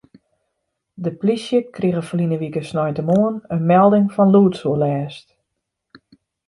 De polysje krige ferline wike sneintemoarn in melding fan lûdsoerlêst.